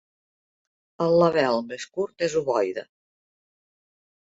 El label més curt és ovoide.